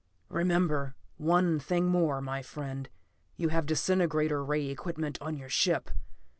"Remember, one thing more, my friend: you have disintegrator ray equipment upon your ship.